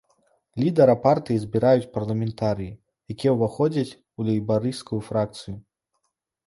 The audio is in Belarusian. Лідара партыі абіраюць парламентарыі, якія ўваходзяць у лейбарысцкую фракцыю.